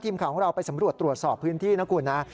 ทีมข่าวของเราไปสำรวจตรวจสอบพื้นที่นะคุณนะ